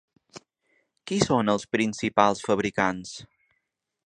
Qui són els principals fabricants?